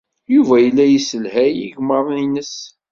Yuba yella yesselhay igmaḍ-nnes.